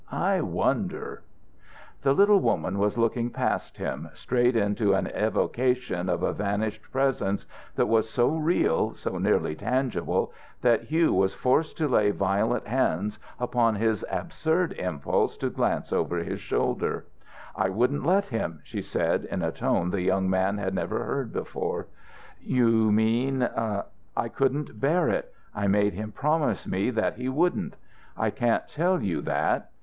I wonder ..." The little woman was looking past him, straight into an evocation of a vanished presence that was so real, so nearly tangible, that Hugh was forced to lay violent hands upon his absurd impulse to glance over his shoulder "I wouldn't let him," she said, in a tone the young man had never heard before. "You mean ..." "I couldn't bear it. I made him promise me that he wouldn't. I can't tell you that.